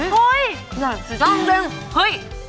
เฮ้ยยยอยากสิด้งเต็ม